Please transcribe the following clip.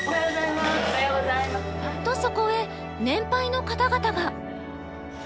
とそこへ年配の方々が。